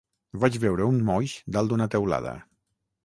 Vaig veure un moix dalt d'una teulada